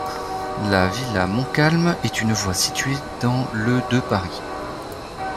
La villa Montcalm est une voie située dans le de Paris.